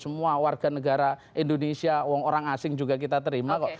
semua warga negara indonesia orang asing juga kita terima kok